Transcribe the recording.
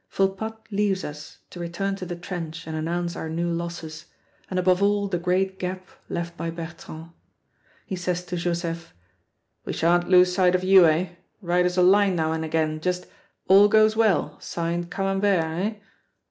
Volpatte leaves us, to return to the trench and announce our new losses, and above all the great gap left by Bertrand. He says to Joseph, "We shan't lose sight of you, eh? Write us a line now and again just, 'All goes well; signed, Camembert,' eh?"